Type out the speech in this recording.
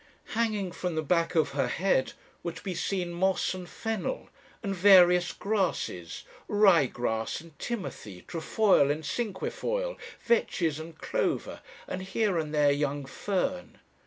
Hanging from the back of her head were to be seen moss and fennel, and various grasses rye grass and timothy, trefoil and cinquefoil, vetches, and clover, and here and there young fern.